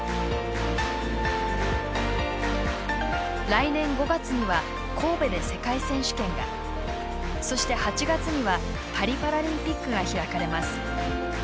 来年５月には神戸で世界選手権がそして８月にはパリパラリンピックが開かれます。